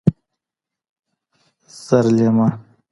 زرلېمه